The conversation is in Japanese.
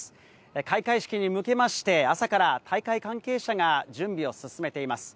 開会式に向けまして、朝から大会関係者が準備を進めています。